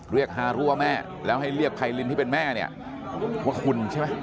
ฮารั่วแม่แล้วให้เรียกไพรินที่เป็นแม่เนี่ยว่าคุณใช่ไหม